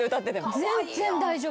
全然大丈夫。